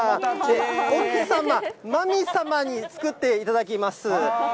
奥様、まみ様に作っていただきます。